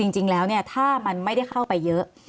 จริงแล้วถ้ามันไม่ได้เข้าไปเยอะ